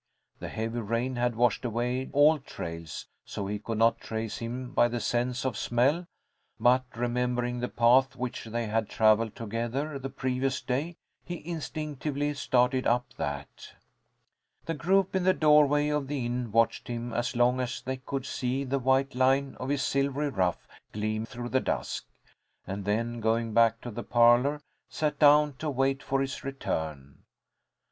The heavy rain had washed away all trails, so he could not trace him by the sense of smell; but remembering the path which they had travelled together the previous day, he instinctively started up that. The group in the doorway of the inn watched him as long as they could see the white line of his silvery ruff gleam through the dusk, and then, going back to the parlour, sat down to wait for his return.